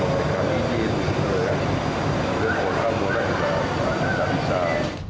britney semoga semoga sudah tidak